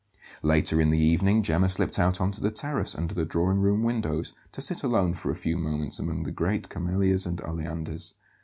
Later in the evening Gemma slipped out on to the terrace under the drawing room windows to sit alone for a few moments among the great camellias and oleanders.